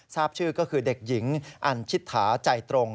ทราบชื่อก็คือเด็กหญิงอันชิตถาใจตรง